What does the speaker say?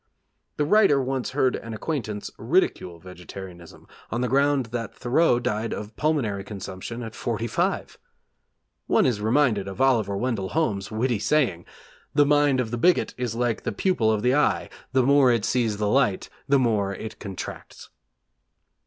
The writer once heard an acquaintance ridicule vegetarianism on the ground that Thoreau died of pulmonary consumption at forty five! One is reminded of Oliver Wendell Holmes' witty saying: 'The mind of the bigot is like the pupil of the eye: the more it sees the light, the more it contracts.'